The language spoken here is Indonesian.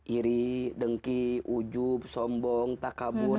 iri dengki ujub sombong takabur